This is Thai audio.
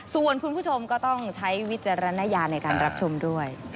ส่วนคุณผู้ชมก็ต้องใช้วิจารณญาณในการรับชมด้วย